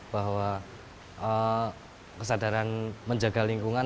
bahwa kesadaran menjaga lingkungan